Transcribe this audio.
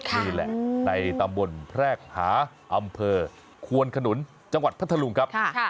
นี่แหละในตำบลแพรกหาอำเภอควนขนุนจังหวัดพัทธลุงครับ